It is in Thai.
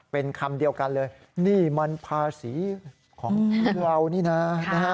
เป็นคำเดียวกันเลยนี่มันภาษีของพวกเรานี่นะนะฮะ